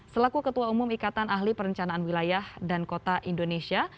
selaku ketua umum ikatan ahli perencanaan wilayah dan kota indonesia